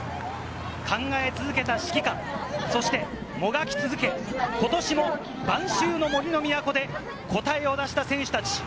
考え続けた指揮官、そして、もがき続け、ことしも晩秋の杜の都で答えを出した選手たち。